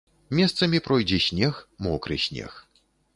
Месцамі пройдзе снег, мокры снег.